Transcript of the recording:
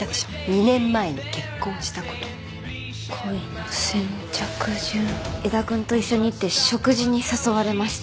２年前に結婚したこと恋の先着順江田君と一緒にって食事に誘われました